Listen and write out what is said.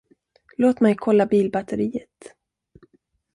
Låt mig kolla bilbatteriet.